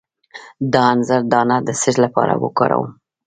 د انځر دانه د څه لپاره وکاروم؟